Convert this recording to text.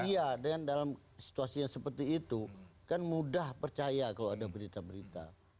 iya dengan dalam situasi yang seperti itu kan mudah percaya kalau ada berita berita